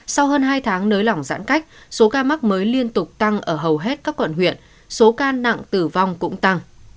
sau hơn hai tháng nới lỏng giãn cách số ca mắc mới liên tục tăng ở hầu hết các quận huyện số ca nặng tử vong cũng tăng